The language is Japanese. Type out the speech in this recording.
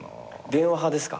電話派ですか？